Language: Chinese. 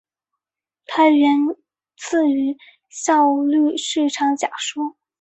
它源自于效率市场假说。